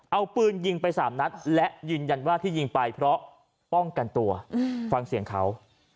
เอาปืนยิงไปสามนัดและยืนยันว่าที่ยิงไปเพราะป้องกันตัวฟังเสียงเขา